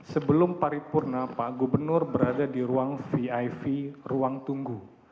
sebelum paripurna pak gubernur berada di ruang vip ruang tunggu